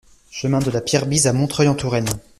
Chemin de la Pierre Bise à Montreuil-en-Touraine